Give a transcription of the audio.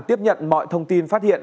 tiếp nhận mọi thông tin phát hiện